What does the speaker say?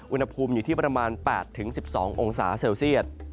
อุณหภูมิอยู่ที่ประมาณ๘๑๒องศาเซลเซียต